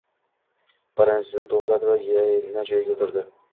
Paranjisini to`g`riladi va yana joyiga o`tirdi